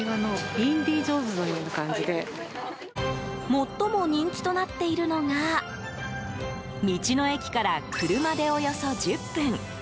最も人気となっているのが道の駅から車でおよそ１０分。